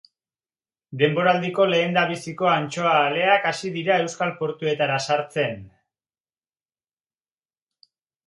Denboraldiko lehendabiziko antxoa aleak hasi dira euskal portuetara sartzen.